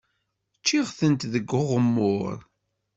Ččiɣ-tent deg uɣemmur.